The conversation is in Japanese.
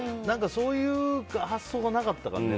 そういう発想がなかったからね。